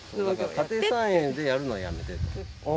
家庭菜園でやるのはやめてって。